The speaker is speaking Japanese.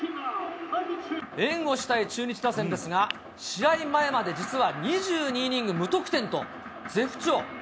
援護したい中日打線ですが、試合前まで実は２２イニング無得点と、絶不調。